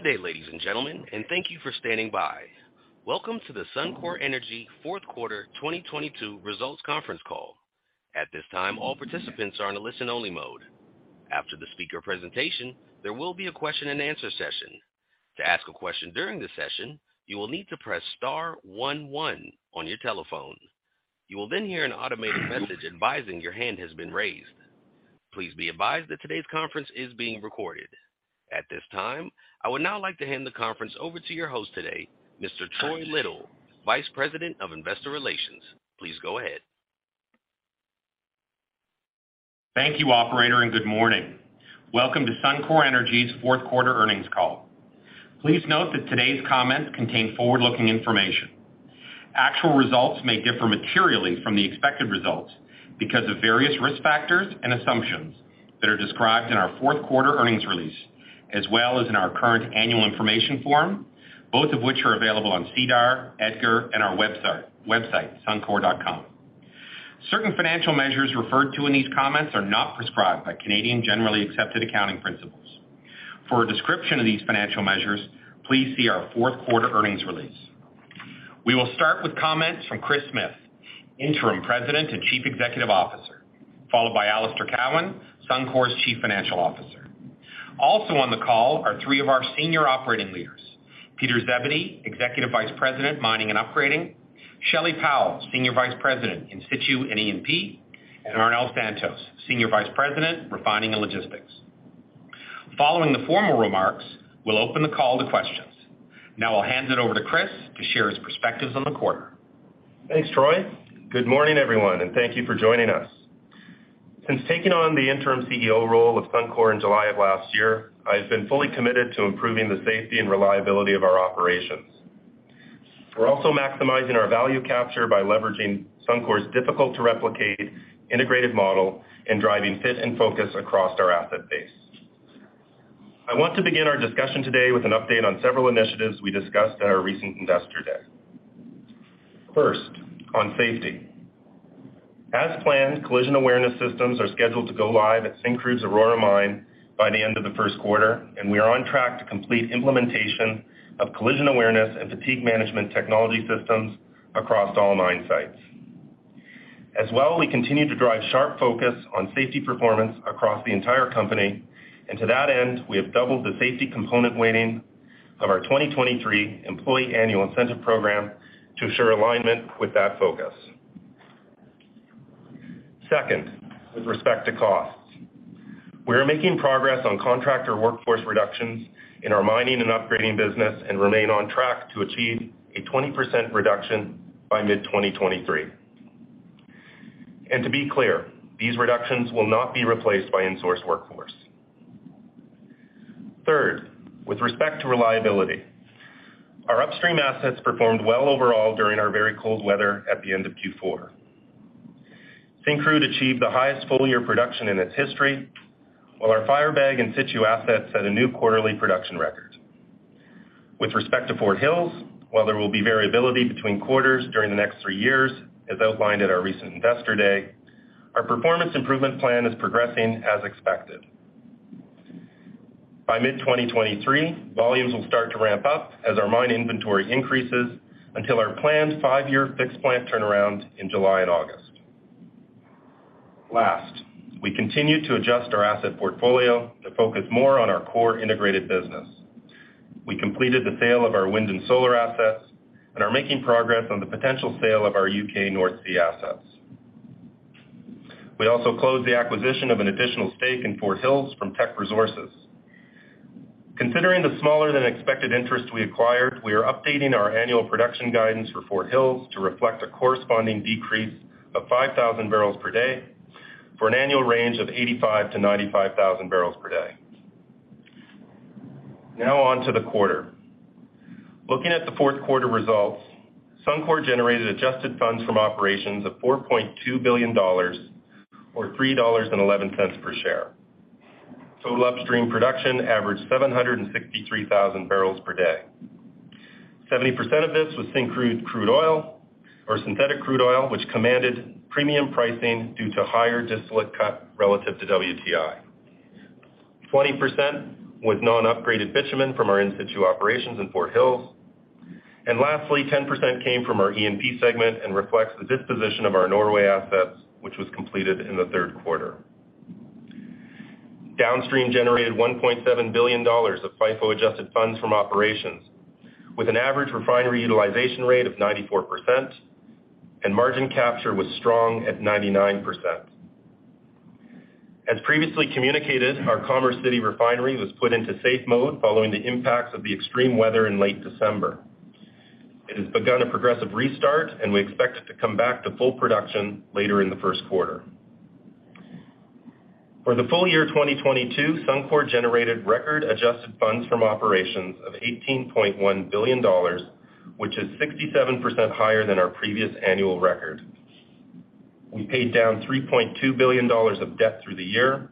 Good day, ladies and gentlemen, and thank you for standing by. Welcome to the Suncor Energy Fourth Quarter 2022 Results Conference Call. At this time, all participants are on a listen-only mode. After the speaker presentation, there will be a question-and-answer session. To ask a question during the session, you will need to Press Star one one on your telephone. You will then hear an automated message advising your hand has been raised. Please be advised that today's conference is being recorded. At this time, I would now like to hand the conference over to your host today, Mr. Troy Little, Vice President of Investor Relations. Please go ahead. Thank you, operator, and good morning. Welcome to Suncor Energy's fourth quarter earnings call. Please note that today's comments contain forward-looking information. Actual results may differ materially from the expected results because of various risk factors and assumptions that are described in our fourth quarter earnings release, as well as in our current annual information form, both of which are available on SEDAR, EDGAR, and our website, Suncor.com. Certain financial measures referred to in these comments are not prescribed by Canadian generally accepted accounting principles. For a description of these financial measures, please see our fourth quarter earnings release. We will start with comments from Kris Smith, Interim President and Chief Executive Officer, followed by Alister Cowan, Suncor's Chief Financial Officer. Also on the call are three of our Senior Operating Leaders, Peter Zebedee, Executive Vice President, Mining and Upgrading, Shelley Powell, Senior Vice President, In Situ and E&P, and Arnel Santos, Senior Vice President, Refining and Logistics. Following the formal remarks, we'll open the call to questions. Now I'll hand it over to Kris to share his perspectives on the quarter. Thanks, Troy. Good morning, everyone, and thank you for joining us. Since taking on the Interim CEO role of Suncor in July of last year, I've been fully committed to improving the safety and reliability of our operations. We're also maximizing our value capture by leveraging Suncor's difficult-to-replicate integrated model and driving fit and focus across our asset base. I want to begin our discussion today with an update on several initiatives we discussed at our recent Investor Day. First, on safety. As planned, collision awareness systems are scheduled to go live at Syncrude's Aurora mine by the end of the first quarter, and we are on track to complete implementation of collision awareness and fatigue management technology systems across all mine sites. As well, we continue to drive sharp focus on safety performance across the entire company. To that end, we have doubled the safety component weighting of our 2023 employee annual incentive program to ensure alignment with that focus. Second, with respect to costs. We are making progress on contractor workforce reductions in our Mining and Upgrading business and remain on track to achieve a 20% reduction by mid-2023. To be clear, these reductions will not be replaced by insourced workforce. Third, with respect to reliability. Our upstream assets performed well overall during our very cold weather at the end of Q4. Syncrude achieved the highest full-year production in its history, while our Firebag in-situ assets set a new quarterly production record. With respect to Fort Hills, while there will be variability between quarters during the next three years, as outlined at our recent Investor Day, our performance improvement plan is progressing as expected. By mid-2023, volumes will start to ramp up as our mine inventory increases until our planned five year fixed plant turnaround in July and August. Last, we continue to adjust our asset portfolio to focus more on our core integrated business. We completed the sale of our wind and solar assets and are making progress on the potential sale of our U.K. North Sea assets. We also closed the acquisition of an additional stake in Fort Hills from Teck Resources. Considering the smaller than expected interest we acquired, we are updating our annual production guidance for Fort Hills to reflect a corresponding decrease of 5,000 barrels per day for an annual range of 85,000-95,000 barrels per day. On to the quarter. Looking at the fourth quarter results, Suncor generated adjusted funds from operations of 4.2 billion dollars or 3.11 dollars per share. Total upstream production averaged 763,000 barrels per day. 70% of this was Syncrude crude oil or synthetic crude oil, which commanded premium pricing due to higher distillate cut relative to WTI. 20% was non-upgraded bitumen from our in-situ operations in Fort Hills. Lastly, 10% came from our E&P segment and reflects the disposition of our Norway assets, which was completed in the third quarter. Downstream generated 1.7 billion dollars of FIFO-adjusted funds from operations, with an average refinery utilization rate of 94%, and margin capture was strong at 99%. As previously communicated, our Commerce City refinery was put into safe mode following the impacts of the extreme weather in late December. It has begun a progressive restart, and we expect it to come back to full production later in the first quarter. For the full year 2022, Suncor generated record adjusted funds from operations of 18.1 billion dollars, which is 67% higher than our previous annual record. We paid down 3.2 billion dollars of debt through the year,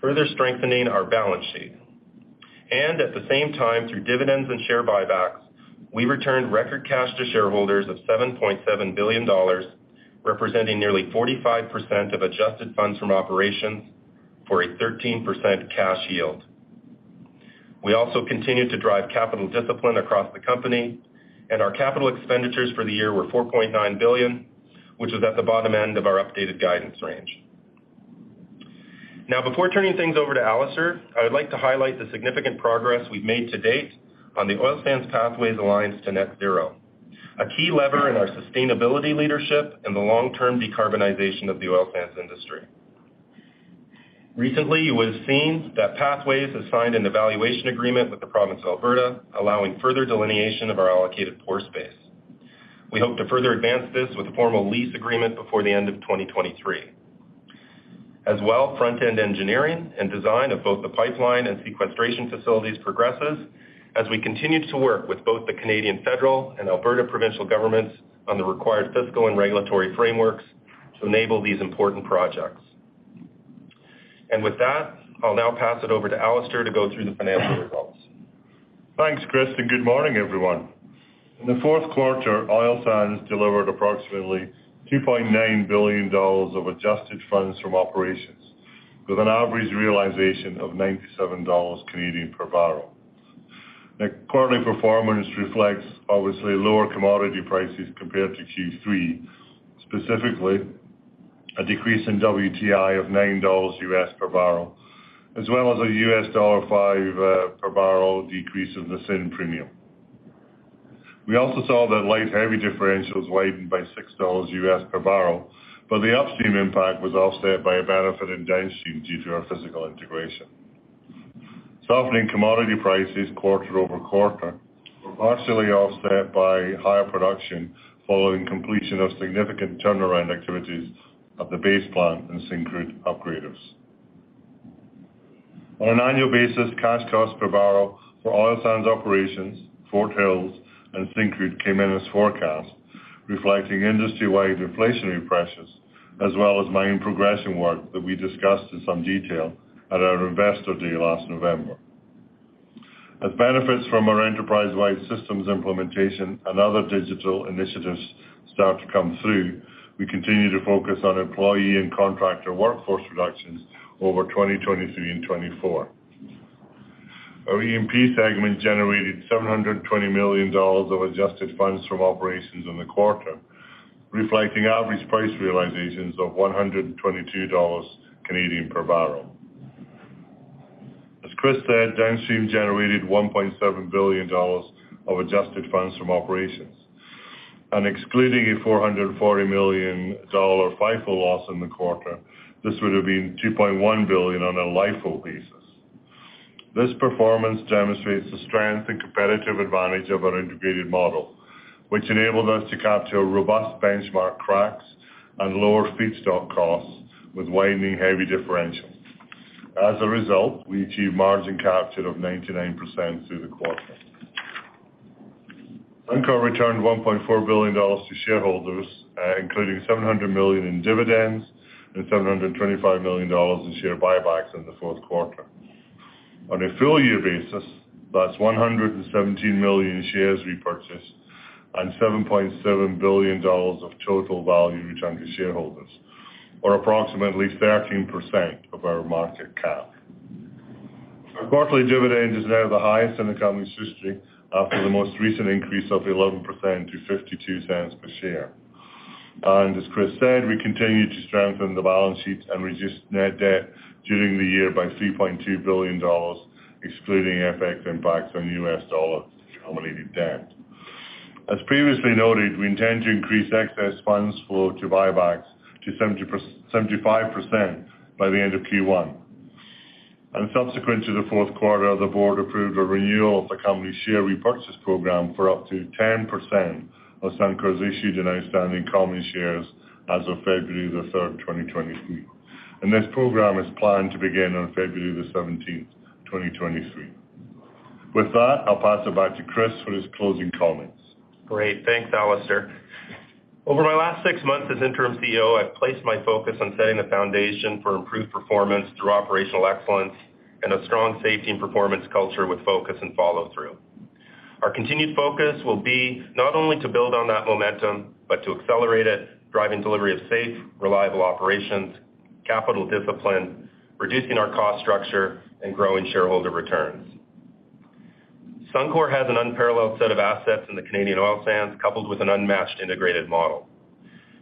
further strengthening our balance sheet.At the same time, through dividends and share buybacks, we returned record cash to shareholders of 7.7 billion dollars, representing nearly 45% of adjusted funds from operations for a 13% cash yield. We also continued to drive capital discipline across the company, and our capital expenditures for the year were 4.9 billion, which was at the bottom end of our updated guidance range. Now, before turning things over to Alister, I would like to highlight the significant progress we've made to date on the Oil Sands Pathways to Net Zero, a key lever in our sustainability leadership and the long-term decarbonization of the oil sands industry. Recently, it was seen that Pathways has signed an evaluation agreement with the province of Alberta, allowing further delineation of our allocated pore space. We hope to further advance this with a formal lease agreement before the end of 2023. As well, front-end engineering and design of both the pipeline and sequestration facilities progresses as we continue to work with both the Canadian federal and Alberta provincial governments on the required fiscal and regulatory frameworks to enable these important projects. With that, I'll now pass it over to Alister to go through the financial results. Thanks, Kris, good morning, everyone. In the fourth quarter, Oil Sands delivered approximately 2.9 billion dollars of adjusted funds from operations with an average realization of 97 Canadian dollars per barrel. The quarterly performance reflects obviously lower commodity prices compared to Q3, specifically a decrease in WTI of $9 US per barrel, as well as a $5 U.S. per barrel decrease in the SCO premium. We also saw that light heavy differentials widened by including $6 U.S. per barrel, but the upstream impact was offset by a benefit in downstream due to our physical integration. Softening commodity prices quarter-over-quarter were partially offset by higher production following completion of significant turnaround activities at the Base Plant and Syncrude upgraders. On an annual basis, cash costs per barrel for Oil Sands operations, Fort Hills and Syncrude came in as forecast, reflecting industry-wide inflationary pressures as well as mine progression work that we discussed in some detail at our Investor Day last November. As benefits from our enterprise-wide systems implementation and other digital initiatives start to come through, we continue to focus on employee and contractor workforce reductions over 2023 and 2024. Our E&P segment generated 720 million dollars of adjusted funds from operations in the quarter, reflecting average price realizations of 122 Canadian dollars per barrel. As Kris said, Downstream generated 1.7 billion dollars of adjusted funds from operations, and excluding a 440 million dollar FIFO loss in the quarter, this would have been 2.1 billion on a LIFO basis. This performance demonstrates the strength and competitive advantage of our integrated model, which enabled us to capture robust benchmark cracks and lower feedstock costs with widening heavy differentials. As a result, we achieved margin capture of 99% through the quarter. Suncor returned 1.4 billion dollars to shareholders, including AD 700 million in dividends and 725 million dollars in share buybacks in the fourth quarter. On a full-year basis, that's 117 million shares repurchased and 7.7 billion dollars of total value returned to shareholders, or approximately 13% of our market cap. Our quarterly dividend is now the highest in the company's history after the most recent increase of 11% to 0.52 per share. As Kris said, we continue to strengthen the balance sheet and reduce net debt during the year by 3.2 billion dollars, excluding FX impacts on U.S. dollar accumulated debt. As previously noted, we intend to increase excess funds flow to buybacks to 75% by the end of Q1. Subsequent to the fourth quarter, the board approved a renewal of the company's share repurchase program for up to 10% of Suncor's issued and outstanding common shares as of 3rd February 2023, and this program is planned to begin on 17th February 2023. I'll pass it back to Kris for his closing comments. Great. Thanks, Alister. Over my last six months as Interim CEO, I've placed my focus on setting the foundation for improved performance through operational excellence and a strong safety and performance culture with focus and follow-through. Our continued focus will be not only to build on that momentum, but to accelerate it, driving delivery of safe, reliable operations, capital discipline, reducing our cost structure, and growing shareholder returns. Suncor has an unparalleled set of assets in the Canadian Oil Sands, coupled with an unmatched integrated model.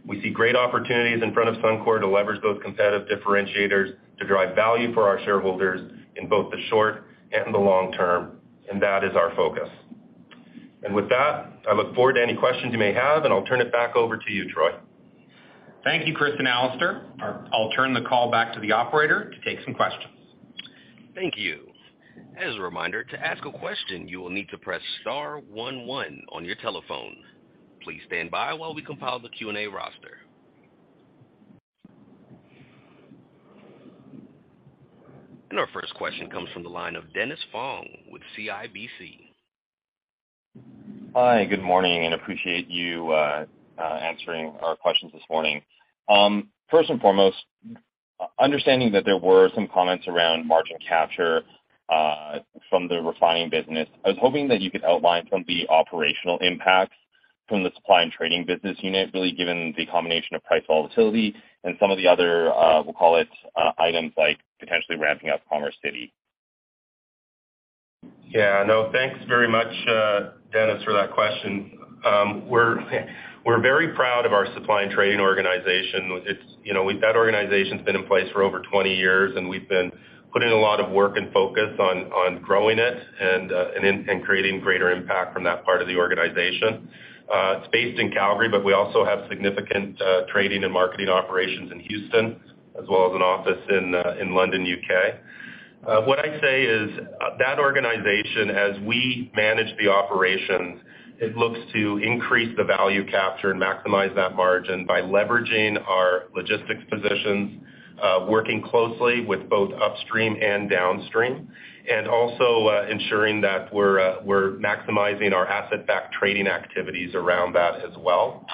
We see great opportunities in front of Suncor to leverage those competitive differentiators to drive value for our shareholders in both the short and the long term, and that is our focus. With that, I look forward to any questions you may have, and I'll turn it back over to you, Troy. Thank you, Kris and Alister. I'll turn the call back to the operator to take some questions. Thank you. As a reminder, to ask a question, you will need to press star one one on your telephone. Please stand by while we compile the Q&A roster. Our first question comes from the line of Dennis Fong with CIBC. Hi, good morning. Appreciate you answering our questions this morning. First and foremost. Understanding that there were some comments around margin capture from the refining business. I was hoping that you could outline some of the operational impacts from the supply and trading business unit, really given the combination of price volatility and some of the other, we'll call it, items like potentially ramping up Commerce City. No, thanks very much, Dennis, for that question. We're very proud of our supply and trading organization. You know, that organization's been in place for over 20 years, and we've been putting a lot of work and focus on growing it and creating greater impact from that part of the organization. It's based in Calgary, but we also have significant trading and marketing operations in Houston as well as an office in London, UK. What I'd say is that organization, as we manage the operations, it looks to increase the value capture and maximize that margin by leveraging our logistics positions, working closely with both upstream and downstream, and also ensuring that we're maximizing our asset-backed trading activities around that as well.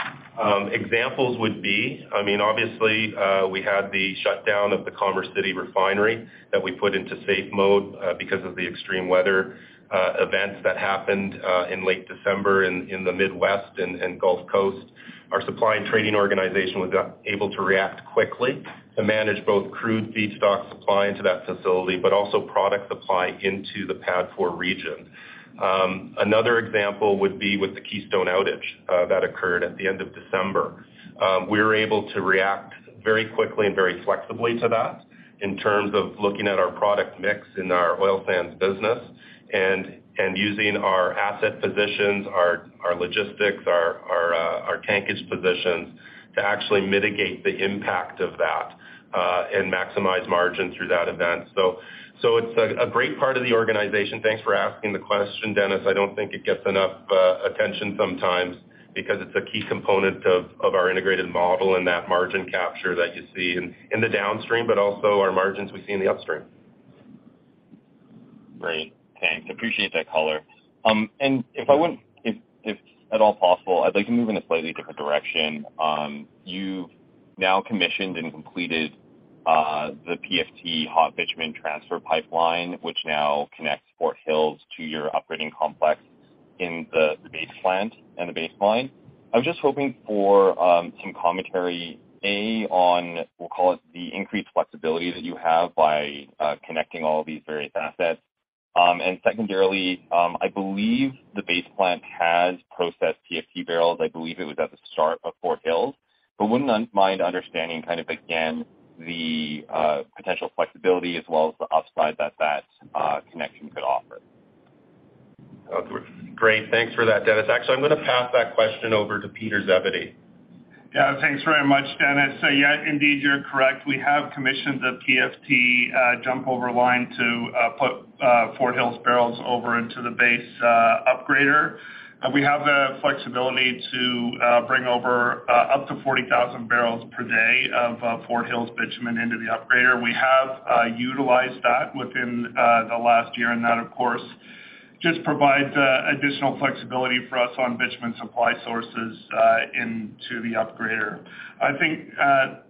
Examples would be, I mean, obviously, we had the shutdown of the Commerce City refinery that we put into safe mode because of the extreme weather events that happened in late December in the Midwest and Gulf Coast. Our supply and trading organization was able to react quickly to manage both crude feedstock supply into that facility, but also product supply into the PADD4 region. Another example would be with the Keystone outage that occurred at the end of December. We were able to react very quickly and very flexibly to that in terms of looking at our product mix in our oil sands business and using our asset positions, our logistics, our tankage positions to actually mitigate the impact of that and maximize margin through that event. It's a great part of the organization. Thanks for asking the question, Dennis. I don't think it gets enough attention sometimes because it's a key component of our integrated model and that margin capture that you see in the downstream, but also our margins we see in the upstream. Great. Thanks. Appreciate that color. If at all possible, I'd like to move in a slightly different direction. You've now commissioned and completed the PFT hot bitumen transfer pipeline, which now connects Fort Hills to your operating complex in the Base Plant and the base line. I was just hoping for some commentary, A, on we'll call it the increased flexibility that you have by connecting all these various assets. Secondarily, I believe the Base Plant has processed PFT barrels. I believe it was at the start of Fort Hills, but wouldn't mind understanding kind of again the potential flexibility as well as the upside that that connection could offer. Great. Thanks for that, Dennis. Actually, I'm gonna pass that question over to Peter Zebedee. Thanks very much, Dennis. Indeed, you're correct. We have commissioned the PFT jump over line to put Fort Hills barrels over into the Base Plant upgrader. We have the flexibility to bring over up to 40,000 barrels per day of Fort Hills bitumen into the upgrader. We have utilized that within the last year, and that of course just provides additional flexibility for us on bitumen supply sources into the upgrader. I think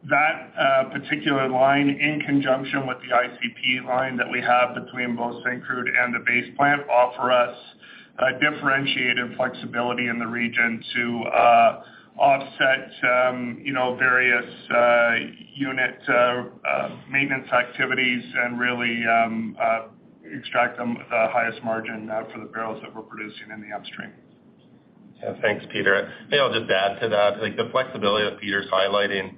that particular line in conjunction with the ICP line that we have between both Syncrude and the Base Plant offer us differentiated flexibility in the region to offset, you know, various unit maintenance activities and really extract them with the highest margin for the barrels that we're producing in the upstream. Yeah. Thanks, Peter. Maybe I'll just add to that. Like the flexibility that Peter's highlighting,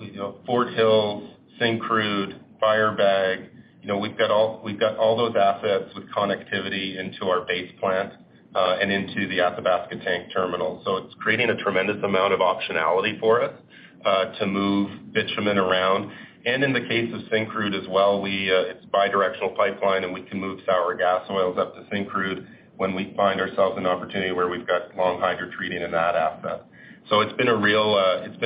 you know, Fort Hills, Syncrude, Firebag, you know, we've got all those assets with connectivity into our Base Plant and into the Athabasca tank terminal. It's creating a tremendous amount of optionality for us to move bitumen around. In the case of Syncrude as well, we, it's bidirectional pipeline, and we can move sour gas oils up to Syncrude when we find ourselves an opportunity where we've got long hydrotreating in that asset. It's been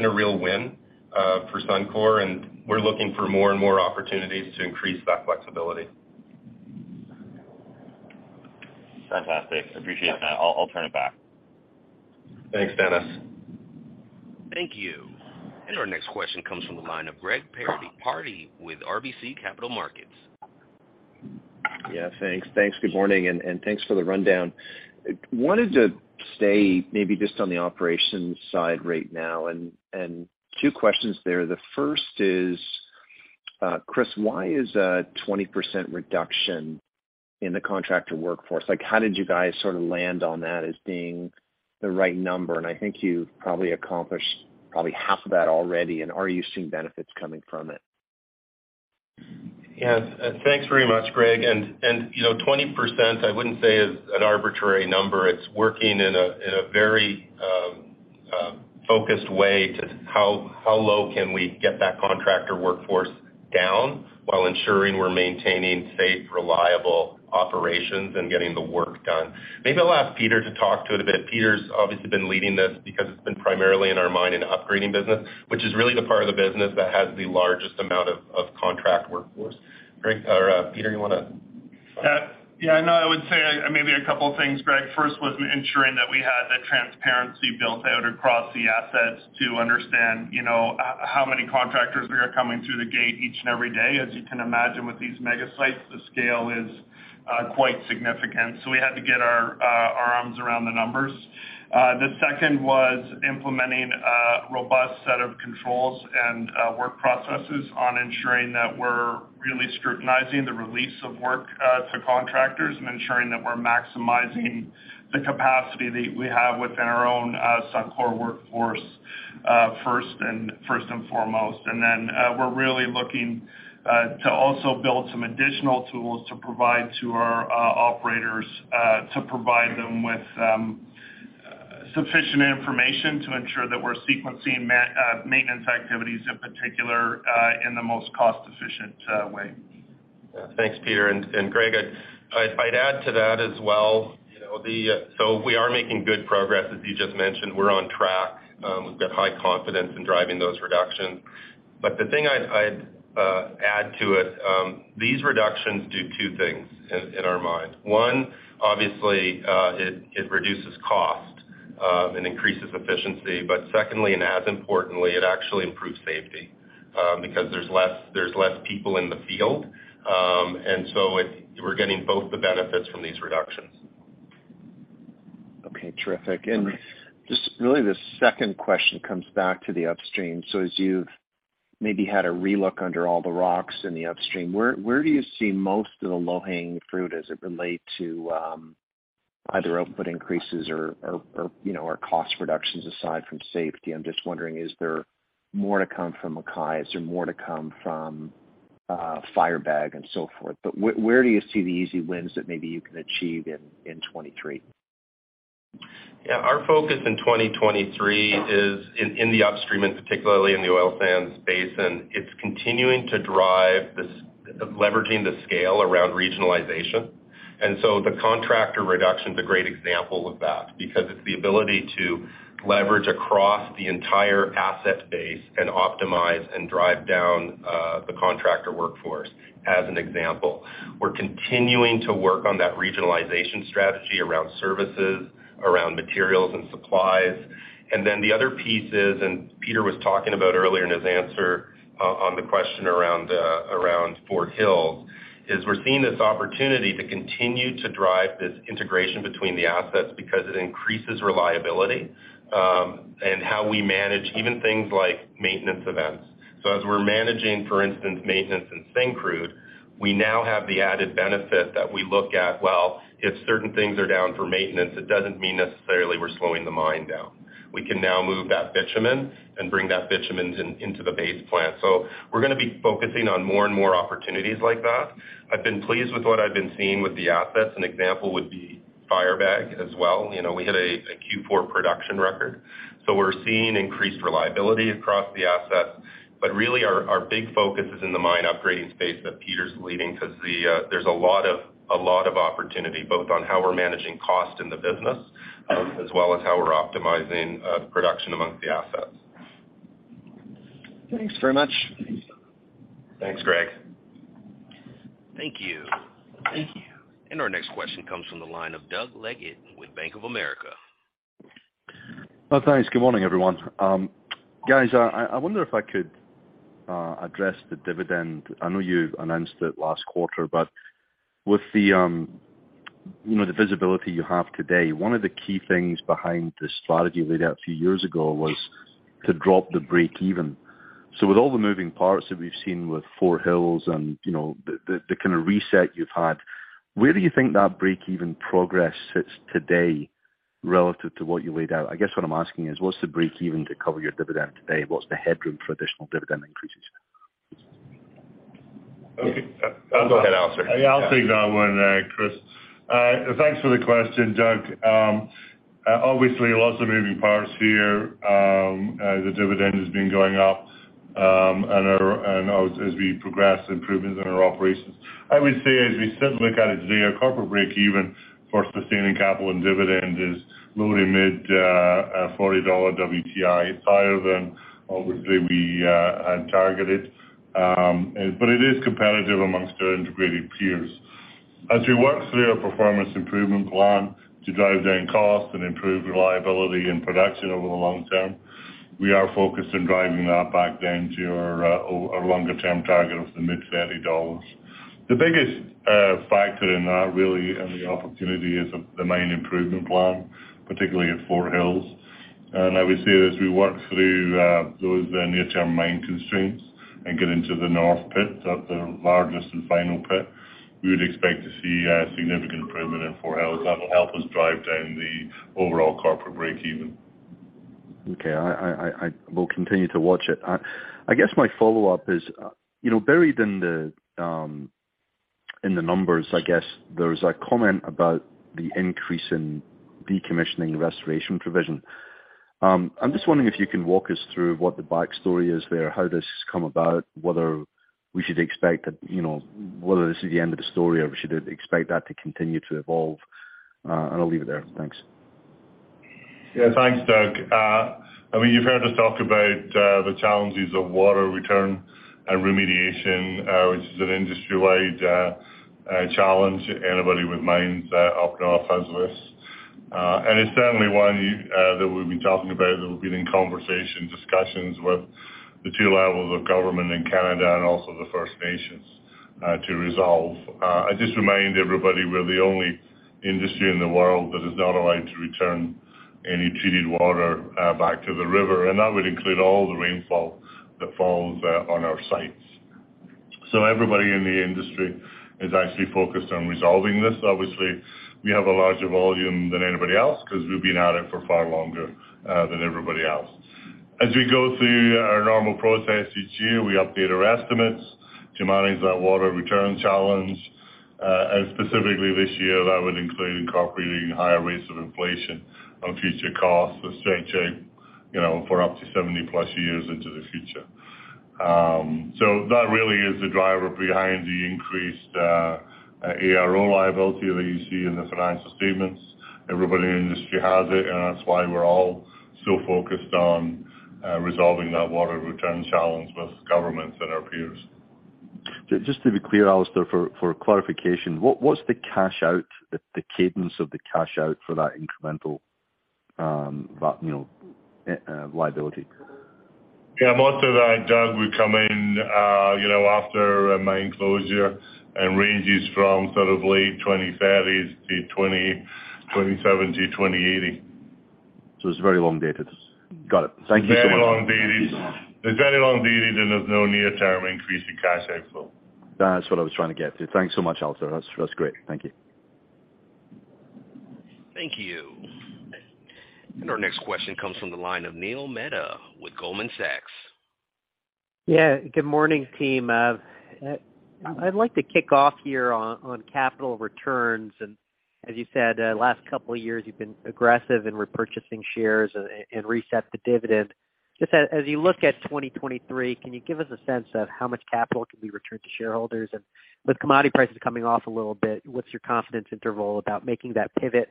a real win for Suncor, and we're looking for more and more opportunities to increase that flexibility. Fantastic. Appreciate that. I'll turn it back. Thanks, Dennis. Thank you. Our next question comes from the line of Greg Pardy with RBC Capital Markets. Yeah, thanks. Thanks. Good morning, and thanks for the rundown. Wanted to stay maybe just on the operations side right now and two questions there. The first is, Kris, why is a 20% reduction in the contractor workforce? Like, how did you guys sort of land on that as being the right number? I think you've probably accomplished half of that already, and are you seeing benefits coming from it? Yes. Thanks very much, Greg. You know, 20% I wouldn't say is an arbitrary number. It's working in a very focused way to how low can we get that contractor workforce down while ensuring we're maintaining safe, reliable operations and getting the work done. Maybe I'll ask Peter to talk to it a bit. Peter's obviously been leading this because it's been primarily in our mining upgrading business, which is really the part of the business that has the largest amount of contract workforce. Greg or Peter. No, I would say maybe a couple of things, Greg. First was ensuring that we had the transparency built out across the assets to understand, you know, how many contractors were coming through the gate each and every day. As you can imagine with these mega sites, the scale is quite significant. We had to get our arms around the numbers. The second was implementing a robust set of controls and work processes on ensuring that we're really scrutinizing the release of work to contractors and ensuring that we're maximizing the capacity that we have within our own Suncor workforce, first and foremost. We're really looking to also build some additional tools to provide to our operators, to provide them with sufficient information to ensure that we're sequencing maintenance activities, in particular, in the most cost-efficient way. Yeah. Thanks, Peter. Greg, I'd add to that as well. You know, we are making good progress, as you just mentioned. We're on track. We've got high confidence in driving those reductions. The thing I'd add to it, these reductions do two things in our mind. One, obviously, it reduces cost, and increases efficiency. Secondly, and as importantly, it actually improves safety, because there's less people in the field. We're getting both the benefits from these reductions. Okay, terrific. Just really the second question comes back to the upstream. As you've maybe had a relook under all the rocks in the upstream, where do you see most of the low-hanging fruit as it relate to either output increases or, you know, or cost reductions aside from safety? I'm just wondering, is there more to come from MacKay? Is there more to come from Firebag and so forth? Where do you see the easy wins that maybe you can achieve in 2023? Our focus in 2023 is in the upstream, and particularly in the Oil Sands basin. It's continuing to drive this leveraging the scale around regionalization. The contractor reduction is a great example of that because it's the ability to leverage across the entire asset base and optimize and drive down the contractor workforce as an example. We're continuing to work on that regionalization strategy around services, around materials and supplies. The other piece is, and Peter was talking about earlier in his answer on the question around Fort Hills, is we're seeing this opportunity to continue to drive this integration between the assets because it increases reliability in how we manage even things like maintenance events. As we're managing, for instance, maintenance in Syncrude, we now have the added benefit that we look at, well, if certain things are down for maintenance, it doesn't mean necessarily we're slowing the mine down. We can now move that bitumen and bring that bitumen in, into the Base Plant. We're gonna be focusing on more and more opportunities like that. I've been pleased with what I've been seeing with the assets. An example would be Firebag as well. You know, we hit a Q4 production record, so we're seeing increased reliability across the assets. Really our big focus is in the mine upgrading space that Peter's leading because there's a lot of opportunity, both on how we're managing cost in the business, as well as how we're optimizing production amongst the assets. Thanks very much. Thanks, Greg. Thank you. Thank you. Our next question comes from the line of Doug Leggate with Bank of America. Oh, thanks. Good morning, everyone. Guys, I wonder if I could address the dividend. I know you've announced it last quarter, but with the, you know, the visibility you have today, one of the key things behind the strategy laid out a few years ago was to drop the breakeven. With all the moving parts that we've seen with Fort Hills and, you know, the kind of reset you've had, where do you think that breakeven progress sits today relative to what you laid out? I guess what I'm asking is, what's the breakeven to cover your dividend today? What's the headroom for additional dividend increases? Okay. Go ahead, I'll stay. Yeah. I'll take that one, Kris. Thanks for the question, Doug. Obviously, lots of moving parts here. The dividend has been going up, and as we progress improvements in our operations. I would say as we sit and look at it today, our corporate breakeven for sustaining capital and dividend is really mid $40 WTI. It's higher than obviously we had targeted.It is competitive amongst our integrated peers. As we work through our performance improvement plan to drive down costs and improve reliability and production over the long term, we are focused on driving that back down to our longer-term target of the mid $30. The biggest factor in that really, and the opportunity is the mine improvement plan, particularly at Fort Hills. I would say that as we work through those near-term mine constraints and get into the north pit, the largest and final pit, we would expect to see a significant improvement in Fort Hills. That'll help us drive down the overall corporate breakeven. Okay. I will continue to watch it. I guess my follow-up is, you know, buried in the, in the numbers, I guess there's a comment about the increase in decommissioning restoration provision. I'm just wondering if you can walk us through what the back story is there, how this has come about, whether we should expect that, you know, whether this is the end of the story, or we should expect that to continue to evolve. I'll leave it there. Thanks. Yeah. Thanks, Doug. I mean, you've heard us talk about the challenges of water return and remediation, which is an industry-wide challenge. Anybody with mines up north has this. It's certainly one that we'll be talking about, that we'll be in conversation, discussions with the two levels of government in Canada and also the First Nations, to resolve. I just remind everybody, we're the only industry in the world that is not allowed to return any treated water back to the river, and that would include all the rainfall that falls on our sites. Everybody in the industry is actually focused on resolving this. Obviously, we have a larger volume than anybody else because we've been at it for far longer than everybody else. As we go through our normal process each year, we update our estimates to manage that water return challenge. Specifically this year, that would include incorporating higher rates of inflation on future costs of stay-in-shape, you know, for up to 70+ years into the future. That really is the driver behind the increased ARO liability that you see in the financial statements. Everybody in the industry has it, and that's why we're all so focused on resolving that water return challenge with governments and our peers. Just to be clear, Alister, for clarification, what's the cash out, the cadence of the cash out for that incremental, that, you know, liability? Yeah, most of that, Doug, would come in, you know, after a mine closure and ranges from sort of late 2030s to 2070, 2080. It's very long-dated. Got it. Thank you so much. Very long-dated. It's very long-dated, and there's no near-term increase to cash outflow. That's what I was trying to get to. Thanks so much, Alister. That's great. Thank you. Thank you. Our next question comes from the line of Neil Mehta with Goldman Sachs. Good morning, team. I'd like to kick off here on capital returns. As you said, last couple of years you've been aggressive in repurchasing shares and reset the dividend. Just as you look at 2023, can you give us a sense of how much capital can be returned to shareholders? With commodity prices coming off a little bit, what's your confidence interval about making that pivot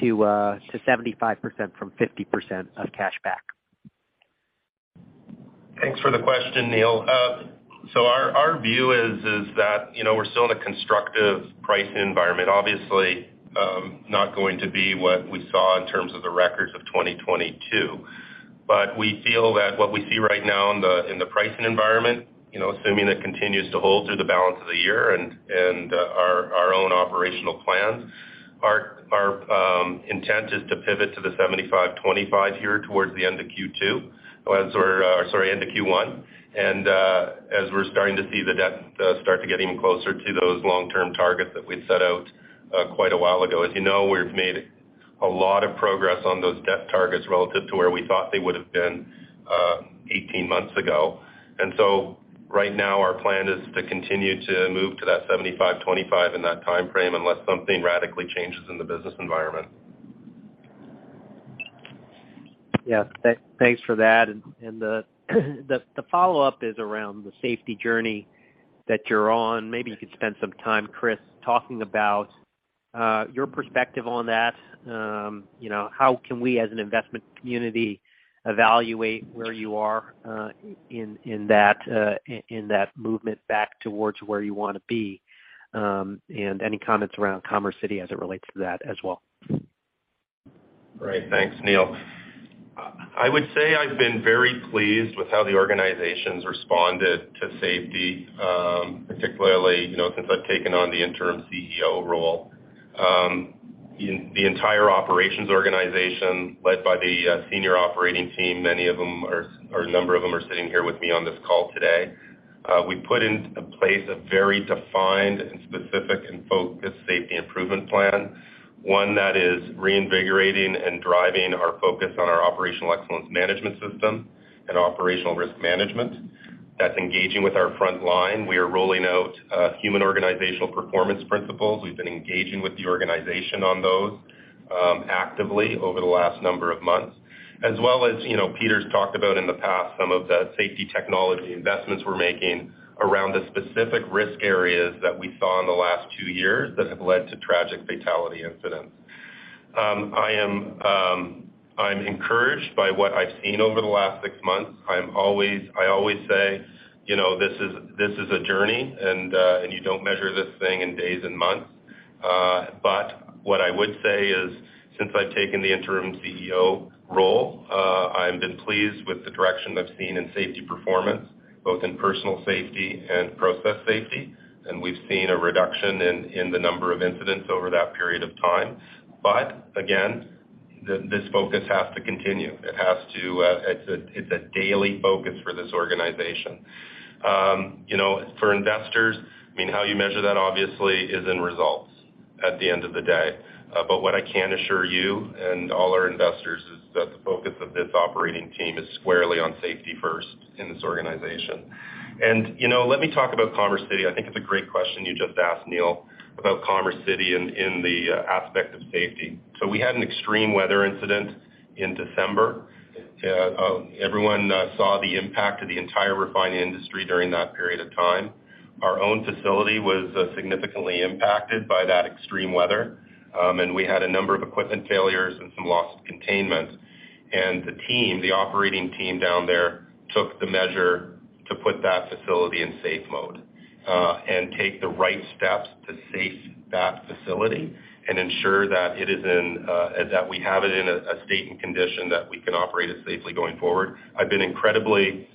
to 75% from 50% of cash back? Thanks for the question, Neil. Our view is that, you know, we're still in a constructive pricing environment. Obviously, not going to be what we saw in terms of the records of 2022. We feel that what we see right now in the pricing environment, you know, assuming it continues to hold through the balance of the year and our own operational plans, our intent is to pivot to the 75/25 here towards the end of Q-2, sorry, end of Q-1. As we're starting to see the debt start to get even closer to those long-term targets that we'd set out quite a while ago. As you know, we've made a lot of progress on those debt targets relative to where we thought they would have been, 18 months ago. Right now our plan is to continue to move to that 75/25 in that timeframe, unless something radically changes in the business environment. Thanks for that. The follow-up is around the safety journey that you're on. Maybe you could spend some time, Kris, talking about your perspective on that. You know, how can we as an investment community evaluate where you are in that movement back towards where you wanna be? Any comments around Commerce City as it relates to that as well. Great. Thanks, Neil. I would say I've been very pleased with how the organization's responded to safety, particularly, you know, since I've taken on the interim CEO role. The entire operations organization, led by the senior operating team, a number of them are sitting here with me on this call today. We put in place a very defined and specific and focused safety improvement plan, one that is reinvigorating and driving our focus on our Operational Excellence Management System and operational risk management. That's engaging with our front line. We are rolling out Human and Organizational Performance principles. We've been engaging with the organization on those actively over the last number of months. As well as, you know, Peter's talked about in the past some of the safety technology investments we're making around the specific risk areas that we saw in the last two years that have led to tragic fatality incidents. I'm encouraged by what I've seen over the last six months. I always say, you know, this is a journey and you don't measure this thing in days and months. What I would say is, since I've taken the interim CEO role, I've been pleased with the direction I've seen in safety performance, both in personal safety and process safety. We've seen a reduction in the number of incidents over that period of time. Again, this focus has to continue. It has to, it's a daily focus for this organization. You know, for investors, I mean, how you measure that obviously is in results at the end of the day. What I can assure you and all our investors is that the focus of this operating team is squarely on safety first in this organization. You know, let me talk about Commerce City. I think it's a great question you just asked, Neil, about Commerce City in the aspect of safety. We had an extreme weather incident in December. Everyone saw the impact of the entire refining industry during that period of time. Our own facility was significantly impacted by that extreme weather. We had a number of equipment failures and some lost containments. The team, the operating team down there took the measure to put that facility in safe mode and take the right steps to safe that facility and ensure that we have it in a state and condition that we can operate it safely going forward. I've been incredibly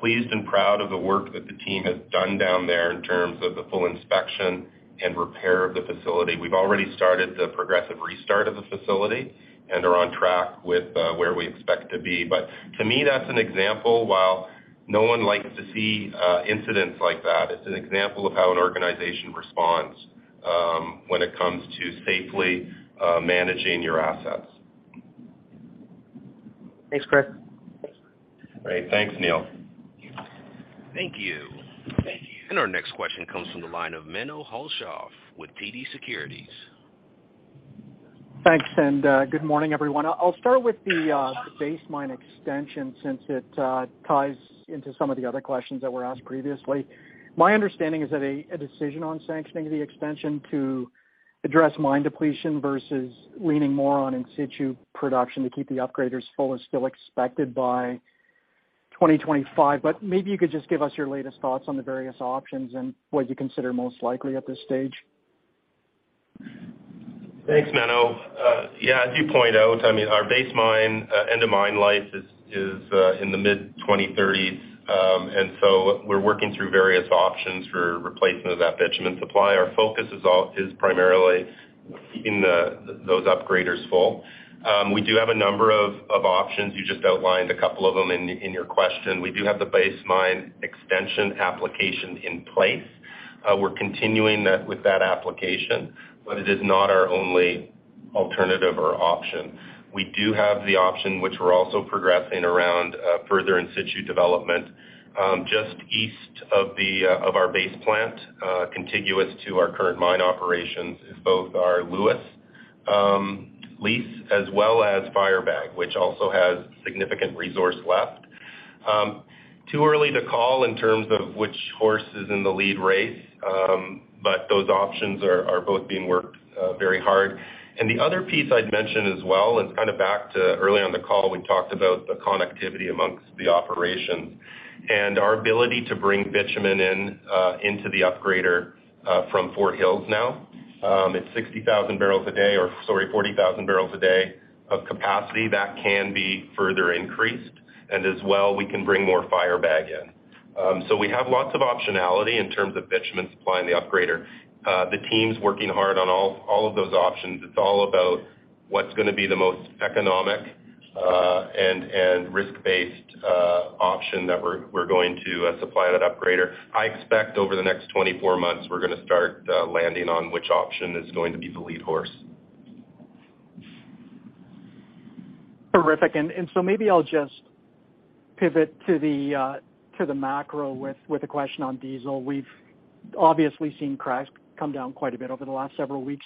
pleased and proud of the work that the team has done down there in terms of the full inspection and repair of the facility. We've already started the progressive restart of the facility and are on track with where we expect to be. To me, that's an example. While no one likes to see incidents like that, it's an example of how an organization responds when it comes to safely managing your assets. Thanks, Kris. Great. Thanks, Neil. Thank you. Thank you. Our next question comes from the line of Menno Hulshof with TD Securities. Thanks, good morning, everyone. I'll start with the Base Mine Extension since it ties into some of the other questions that were asked previously. My understanding is that a decision on sanctioning the extension to address mine depletion versus leaning more on in-situ production to keep the upgraders full is still expected by 2025. Maybe you could just give us your latest thoughts on the various options and what you consider most likely at this stage. Thanks, Menno. Yeah, as you point out, I mean, our base mine end of mine life is in the mid-2030. We're working through various options for replacement of that bitumen supply. Our focus is primarily keeping those upgraders full. We do have a number of options. You just outlined a couple of them in your question. We do have the Base Mine Extension application in place. We're continuing with that application, but it is not our only alternative or option. We do have the option, which we're also progressing around further in-situ development. Just east of the of our Base Plant, contiguous to our current mine operations is both our Lewis lease as well as Firebag, which also has significant resource left. Too early to call in terms of which horse is in the lead race, but those options are both being worked very hard. The other piece I'd mention as well is kind of back to early on the call, we talked about the connectivity amongst the operations and our ability to bring bitumen into the upgrader from Fort Hills now. It's 60,000 barrels a day or, sorry, 40,000 barrels a day of capacity that can be further increased, and as well, we can bring more Firebag in. We have lots of optionality in terms of bitumen supply in the upgrader. The team's working hard on all of those options. It's all about what's gonna be the most economic and risk-based option that we're going to supply that upgrader. I expect over the next 24 months, we're gonna start, landing on which option is going to be the lead horse. Terrific. Maybe I'll just pivot to the macro with a question on diesel. We've obviously seen cracks come down quite a bit over the last several weeks.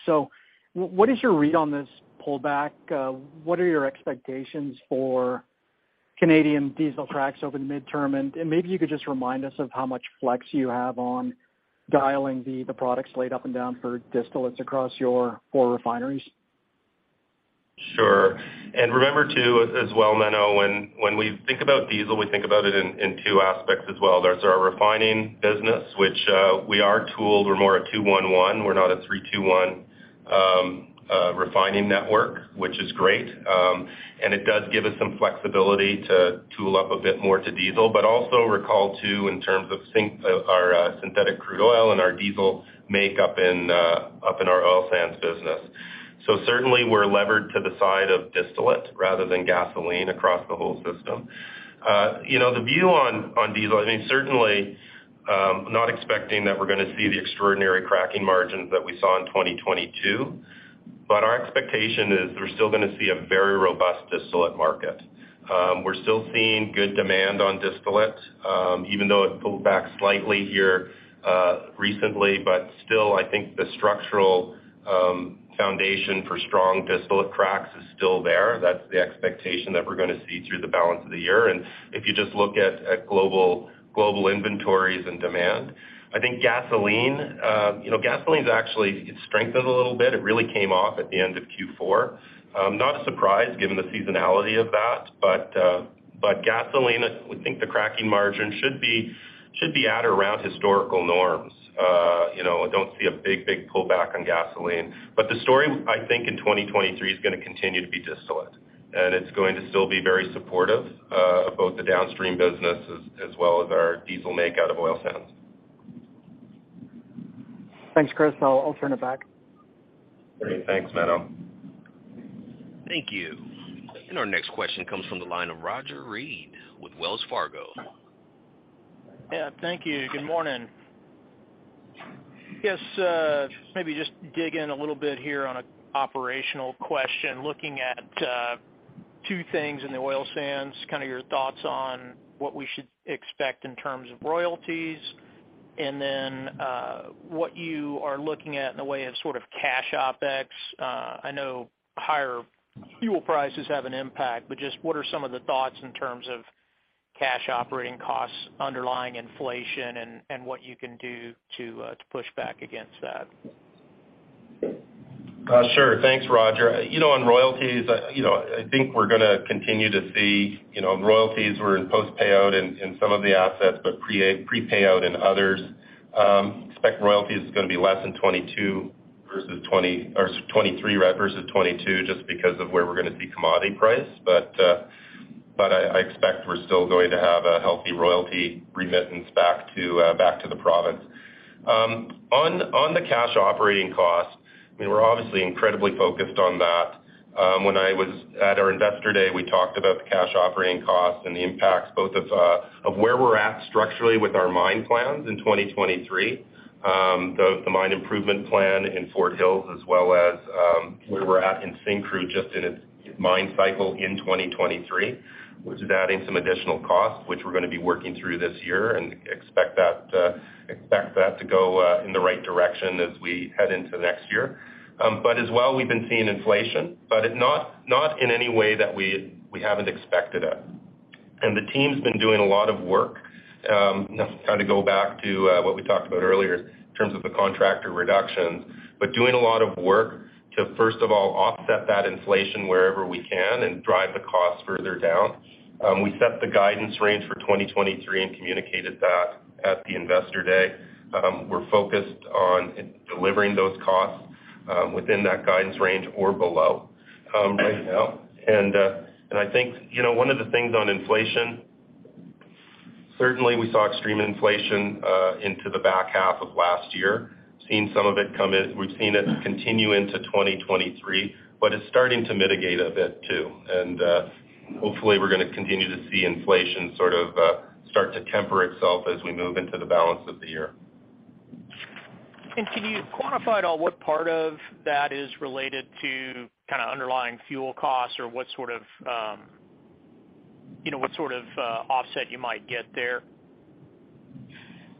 What is your read on this pullback? What are your expectations for Canadian diesel cracks over the midterm? Maybe you could just remind us of how much flex you have on dialing the product slate up and down for distillates across your four refineries. Sure. Remember too as well, Menno, when we think about diesel, we think about it in two aspects as well. There's our refining business, which we are tooled. We're more a 2-1-1. We're not a 3-2-1 refining network, which is great. It does give us some flexibility to tool up a bit more to diesel, but also recall too, in terms of synthetic crude oil and our diesel make up in our Oil Sands business. Certainly, we're levered to the side of distillate rather than gasoline across the whole system. You know, the view on diesel, I mean, certainly, not expecting that we're gonna see the extraordinary cracking margins that we saw in 2022, but our expectation is we're still gonna see a very robust distillate market. We're still seeing good demand on distillate, even though it pulled back slightly here recently. Still, I think the structural foundation for strong distillate cracks is still there. That's the expectation that we're gonna see through the balance of the year. If you just look at global inventories and demand. I think gasoline, you know, gasoline's actually strengthened a little bit. It really came off at the end of Q4. Not a surprise given the seasonality of that, but gasoline, we think the cracking margin should be at around historical norms. You know, I don't see a big pullback on gasoline. The story, I think in 2023 is gonna continue to be distillate, and it's going to still be very supportive of both the downstream business as well as our diesel make out of oil sands. Thanks, Kris. I'll turn it back. Great. Thanks, Menno. Thank you. Our next question comes from the line of Roger Read with Wells Fargo. Yeah, thank you. Good morning. Guess, maybe just dig in a little bit here on a operational question, looking at, two things in the Oil Sands, kind of your thoughts on what we should expect in terms of royalties and then, what you are looking at in the way of sort of cash OpEx. I know higher Fuel prices have an impact. Just what are some of the thoughts in terms of cash operating costs, underlying inflation and what you can do to push back against that? Sure. Thanks, Roger. You know, on royalties, you know, I think we're gonna continue to see, you know, royalties were in post-payout in some of the assets, but pre-payout in others. Expect royalties is gonna be less than 23 versus 22, just because of where we're gonna see commodity price. I expect we're still going to have a healthy royalty remittance back to the province. On the cash operating costs, I mean, we're obviously incredibly focused on that. When I was at our Investor Day, we talked about the cash operating costs and the impacts both of where we're at structurally with our mine plans in 2023. Both the mine improvement plan in Fort Hills as well as, where we're at in Syncrude, just in its mine cycle in 2023, which is adding some additional costs, which we're gonna be working through this year and expect that to go in the right direction as we head into next year. As well, we've been seeing inflation, not in any way that we haven't expected it. The team's been doing a lot of work, kind of go back to what we talked about earlier in terms of the contractor reductions. Doing a lot of work to, first of all, offset that inflation wherever we can and drive the costs further down. We set the guidance range for 2023 and communicated that at the Investor Day. We're focused on delivering those costs within that guidance range or below right now. I think, you know, one of the things on inflation, certainly we saw extreme inflation into the back half of last year. Seeing some of it come in. We've seen it continue into 2023, but it's starting to mitigate a bit too. Hopefully we're gonna continue to see inflation sort of start to temper itself as we move into the balance of the year. Can you quantify at all what part of that is related to kind of underlying fuel costs or what sort of, you know, what sort of offset you might get there?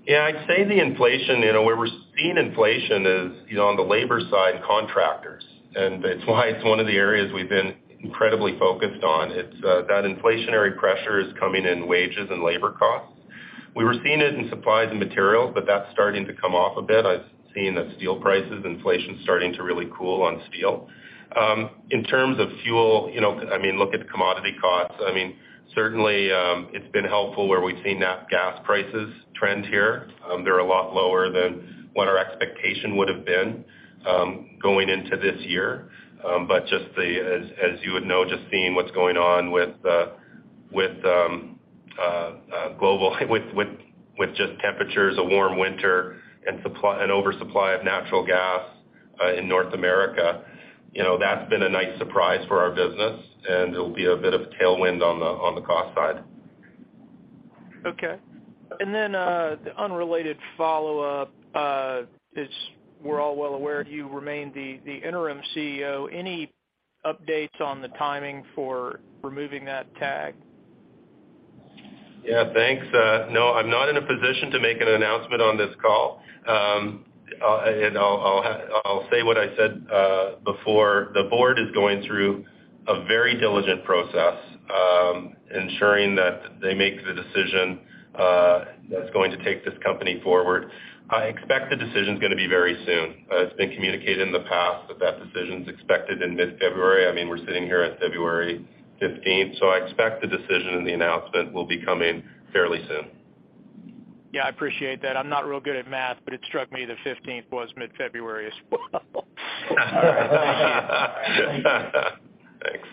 Yeah, I'd say the inflation, you know, where we're seeing inflation is, you know, on the labor side, contractors, and it's why it's one of the areas we've been incredibly focused on. It's that inflationary pressure is coming in wages and labor costs. We were seeing it in supplies and materials, but that's starting to come off a bit. I've seen that steel prices inflation starting to really cool on steel. In terms of fuel, you know, I mean, look at commodity costs. I mean, certainly, it's been helpful where we've seen nat gas prices trend here. They're a lot lower than what our expectation would have been going into this year. Just the, as you would know, just seeing what's going on with global, with just temperatures, a warm winter and supply, an oversupply of natural gas in North America. You know, that's been a nice surprise for our business and it'll be a bit of a tailwind on the cost side. Okay. The unrelated follow-up, is we're all well aware you remain the interim CEO. Any updates on the timing for removing that tag? Yeah, thanks. No, I'm not in a position to make an announcement on this call. I'll say what I said before. The board is going through a very diligent process, ensuring that they make the decision that's going to take this company forward. I expect the decision is gonna be very soon. It's been communicated in the past that that decision is expected in mid-February. I mean, we're sitting here on 15th February so I expect the decision and the announcement will be coming fairly soon. Yeah, I appreciate that. I'm not real good at math, but it struck me the fifteenth was mid-February as well. Thanks.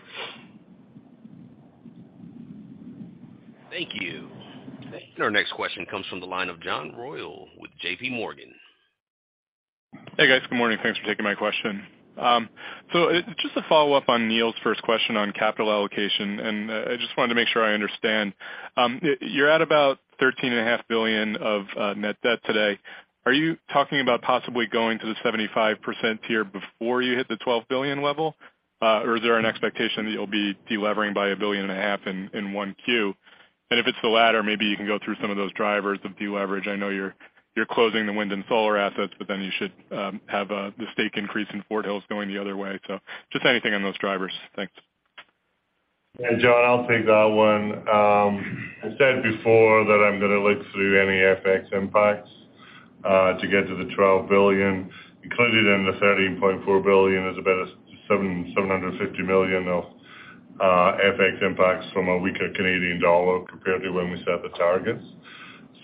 Thank you. Our next question comes from the line of John Royall with J.P. Morgan. Hey, guys. Good morning. Thanks for taking my question. Just to follow up on Neil's first question on capital allocation, I just wanted to make sure I understand. You're at about 13.5 billion of net debt today. Are you talking about possibly going to the 75% tier before you hit the 12 billion level? Is there an expectation that you'll be delevering by 1.5 billion in 1Q? If it's the latter, maybe you can go through some of those drivers of deleverage. I know you're closing the wind and solar assets, you should have the stake increase in Fort Hills going the other way. Just anything on those drivers. Thanks. John, I'll take that one. I said before that I'm gonna look through any FX impacts to get to the 12 billion. Included in the 13.4 billion is about 750 million of FX impacts from a weaker Canadian dollar compared to when we set the targets.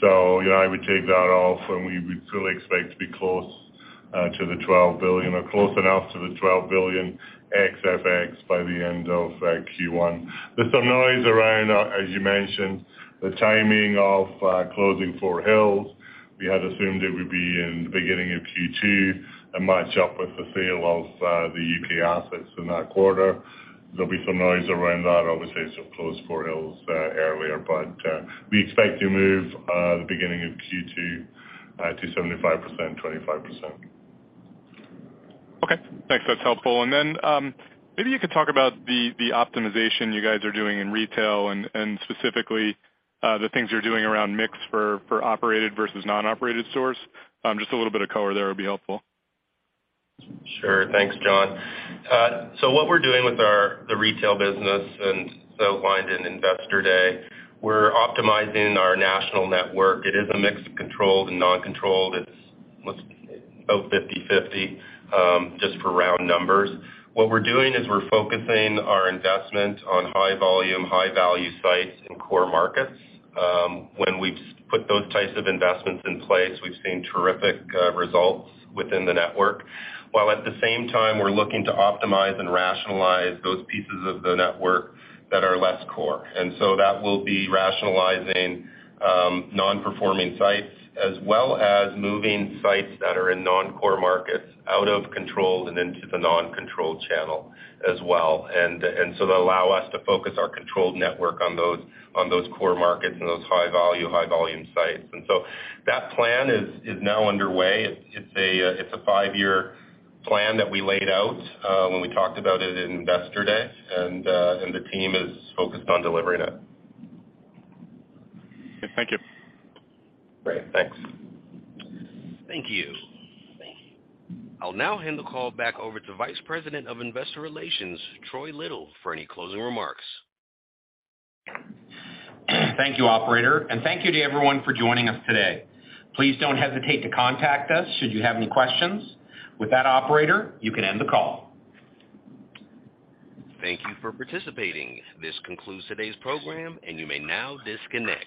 You know, I would take that off, and we would still expect to be close to the 12 billion or close enough to the 12 billion ex FX by the end of Q1. There's some noise around, as you mentioned, the timing of closing Fort Hills. We had assumed it would be in the beginning of Q2 and match up with the sale of the UK assets in that quarter. There'll be some noise around that, obviously, to close Fort Hills earlier. We expect to move the beginning of Q2 to 75%, 25%. Okay, thanks. That's helpful. Then, maybe you could talk about the optimization you guys are doing in retail and specifically, the things you're doing around mix for operated versus non-operated stores. Just a little bit of color there would be helpful. Sure. Thanks, John. So what we're doing with our, the retail business and outlined in Investor Day, we're optimizing our national network. It is a mix of controlled and non-controlled. It's about 50/50, just for round numbers. What we're doing is we're focusing our investment on high volume, high value sites in core markets. When we put those types of investments in place, we've seen terrific results within the network. While at the same time, we're looking to optimize and rationalize those pieces of the network that are less core. So that will be rationalizing non-performing sites as well as moving sites that are in non-core markets out of controlled and into the non-controlled channel as well. So that'll allow us to focus our controlled network on those, on those core markets and those high value, high volume sites. That plan is now underway. It's a five year plan that we laid out when we talked about it in Investor Day, and the team is focused on delivering it. Okay. Thank you. Great. Thanks. Thank you. I'll now hand the call back over to Vice President of Investor Relations, Troy Little, for any closing remarks. Thank you, operator, and thank you to everyone for joining us today. Please don't hesitate to contact us should you have any questions. With that operator, you can end the call. Thank you for participating. This concludes today's program, and you may now disconnect.